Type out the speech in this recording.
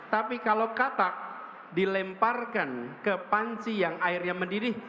tapi kalau katak dilemparkan ke panci yang airnya mendidih